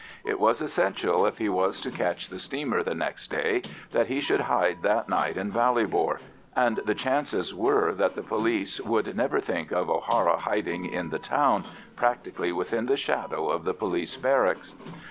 It was essential if he was to catch the steamer the next day that he should hide that night in Ballybor, and the chances were that the police would never think of O'Hara hiding in the town, practically within the shadow of the police barracks.